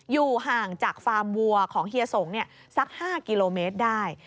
อยู่ห่างจากฟาร์มวัวของเฮียสงสัก๕กิโลเมตรได้